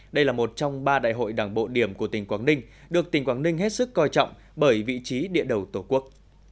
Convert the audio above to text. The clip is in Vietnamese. đây là một trong ba đại hội đảng bộ điểm của tỉnh quảng ninh được tỉnh quảng ninh hết sức coi trọng bởi vị trí địa đầu tổ quốc